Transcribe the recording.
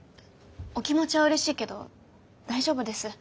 お気持ちはうれしいけど大丈夫です。